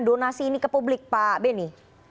donasi ini ke publik pak beni